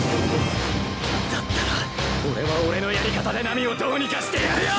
だったら俺は俺のやり方で波をどうにかしてやるよ！